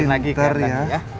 rena masukin lagi kayak tadi ya